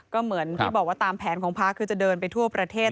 ก็เหมือนที่บอกว่าตามแผนของพักคือจะเดินไปทั่วประเทศ